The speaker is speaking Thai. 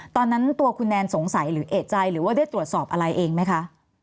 ตอนนั้นตัวคุณแนนสงสัยหรือเอกใจหรือว่าได้ตรวจสอบอะไรเองไหมคะ